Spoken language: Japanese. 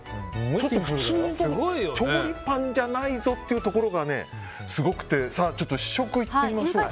ちょっと普通の調理パンじゃないぞっていうところがすごくて、試食いってみましょう。